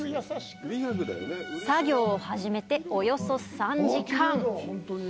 作業を初めておよそ３時間。